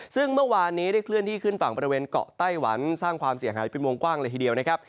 ซึ่งเมื่อวานนี้ได้เคลื่อนที่ขึ้นฝั่งบริเวณเกาะไต้หวันสร้างความเสียหายเป็นวงกว้างเลยทีเดียวนะครับ